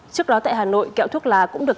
trước đó tại hà nội kẹo thuốc lá cũng được